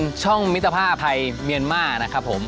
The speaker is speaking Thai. อยู่บริเวณช่องมิตรภาพไทยเมียนมานะครับผม